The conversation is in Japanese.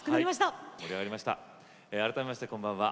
改めまして、こんばんは。